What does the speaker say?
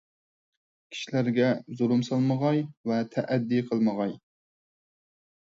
كىشىلەرگە زۇلۇم سالمىغاي ۋە تەئەددى قىلمىغاي.